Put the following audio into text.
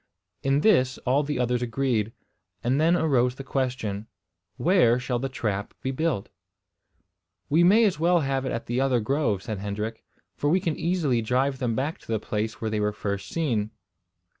In this all the others agreed; and then arose the question. Where shall the trap be built? "We may as well have it at the other grove," said Hendrik, "for we can easily drive them back to the place where they were first seen."